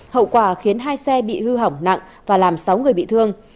hậu quả khiến hai xe bị hư hỏng nặng và làm sáu người bị thương